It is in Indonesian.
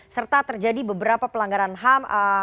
serta terjadi beberapa pelanggaran ham